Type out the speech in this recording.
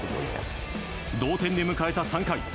同点で迎えた３回。